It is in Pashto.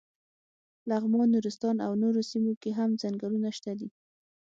لغمان، نورستان او نورو سیمو کې هم څنګلونه شته دي.